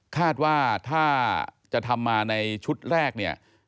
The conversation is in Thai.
คาดว่าถ้าจะทำมาในชุดแรกเนี่ย